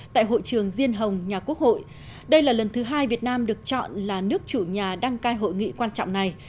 tại hội trường diên hồng nhà quốc hội đây là lần thứ hai việt nam được chọn là nước chủ nhà đăng cai hội nghị quan trọng này